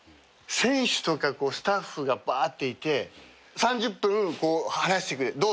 選手とかスタッフがばっていて３０分話してくれ。